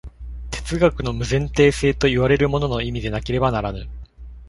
哲学の無前提性といわれるものの意味でなければならぬ。